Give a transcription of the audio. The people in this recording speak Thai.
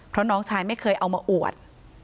เพราะน้องชายไม่เคยเอามาอวด